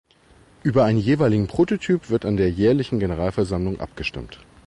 Über einen jeweiligen Prototyp wird an der jährlichen Generalversammlung abgestimmt.